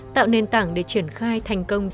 tạo nền tảng để triển khai thành công